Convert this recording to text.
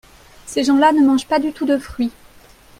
Ces gens-là ne mangent pas du tout de fruits.